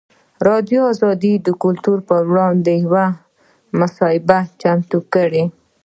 ازادي راډیو د کلتور پر وړاندې یوه مباحثه چمتو کړې.